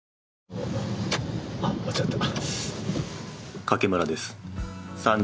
あっ間違えた。